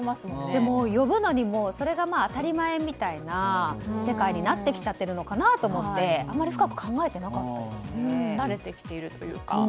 でも、呼ぶのにもそれが当たり前みたいな世界になってきちゃってるのかなと思って慣れてきているというか。